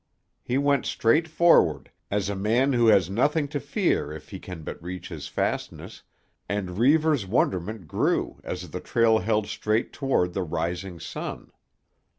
He went straight forward, as a man who has nothing to fear if he can but reach his fastness, and Reivers' wonderment grew as the trail held straight toward the rising sun.